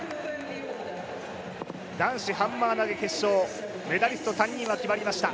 男子ハンマー投決勝、メダリスト３人は決まりました。